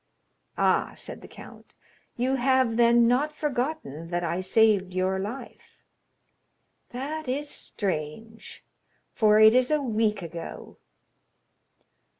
"Ah," said the count, "you have, then, not forgotten that I saved your life; that is strange, for it is a week ago."